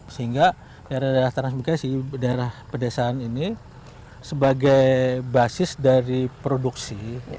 sehingga daerah daerah transmigrasi daerah pedesaan ini sebagai basis dari produksi